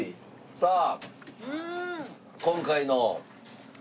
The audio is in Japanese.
さあ。